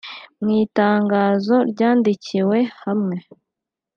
mw'itangazo ryandikiwe hamwe